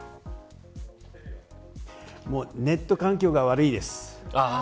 ネット環境が悪いです。